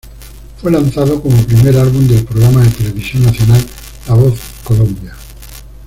Fue lanzado como primer álbum del programa de televisión nacional La Voz Colombia.